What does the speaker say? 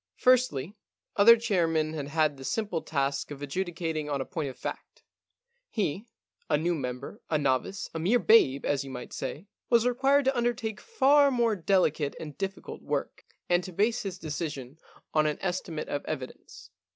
Firstly, other chairmen had had the simple task of adjudicating on a point of fact. He — a new member, a novice, a mere babe, as you might say — was required to undertake far more delicate and difficult work, and to 167 The Problem Club base his decision on an estimate of evidence.